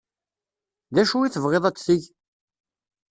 D acu i tebɣiḍ ad teg?